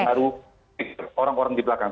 pengaruh orang orang di belakang